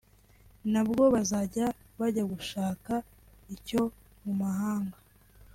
ntabwo bazajya bajya gushaka icyo mu mahanga